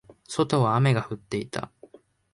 外は雨が降っていた。